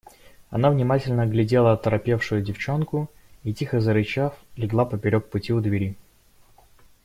Она внимательно оглядела оторопевшую девчонку и, тихо зарычав, легла поперек пути у двери.